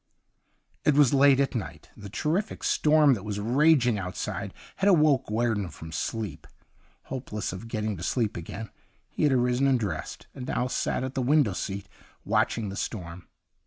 It was late at night ; the terrific storm that was raging outside had awoke Guerdon from sleep. Hope less of getting to sleep again, he had arisen and dressed, and now sat in the window seat watching the storm.